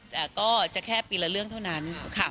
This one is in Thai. แต่ก็จะแค่ปีละเรื่องเท่านั้นค่ะ